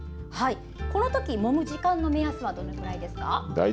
このとき、もむ時間の目安はどのくらいですか？